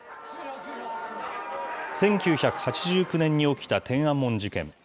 １９８９年に起きた天安門事件。